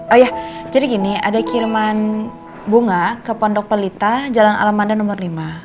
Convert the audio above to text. oh ya jadi gini ada kiriman bunga ke pondok pelita jalan alamanda nomor lima